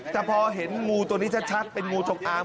แต่พอเห็นงูตัวนี้ชัดเป็นงูจงอาง